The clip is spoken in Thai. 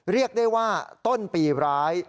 เรียกได้ว่าต้นปีร้าย